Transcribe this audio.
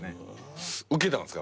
ウケたんすか？